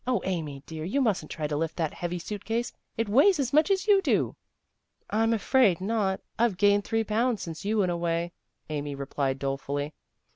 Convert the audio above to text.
Amy, dear, you mustn't try to lift that heavy suit case. It weighs as much as you do." " I'm afraid not. I've gained three pounds since you went away," Amy replied dolefully.